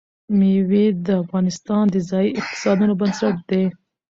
مېوې د افغانستان د ځایي اقتصادونو بنسټ دی.